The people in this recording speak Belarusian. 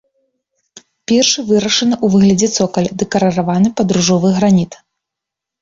Першы вырашаны ў выглядзе цокаля, дэкарыраваны пад ружовы граніт.